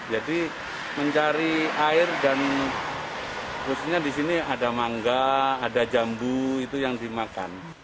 jadi mencari air dan khususnya di sini ada mangga ada jambu itu yang dimakan